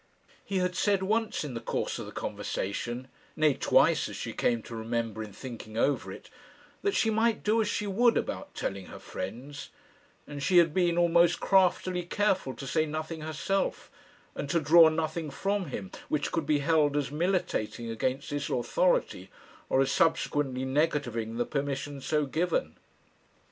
He had said once in the course of the conversation nay, twice, as she came to remember in thinking over it that she might do as she would about telling her friends; and she had been almost craftily careful to say nothing herself, and to draw nothing from him, which could be held as militating against this authority, or as subsequently negativing the permission so given.